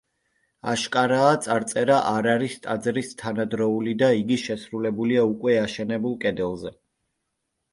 აშკარაა, წარწერა არ არის ტაძრის თანადროული და იგი შესრულებულია უკვე აშენებულ კედელზე.